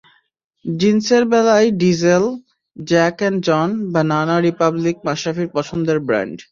জিনসের বেলায় Diesel, Jack and John, Banana Republic মাশরাফির পছন্দের ব্র্যান্ড।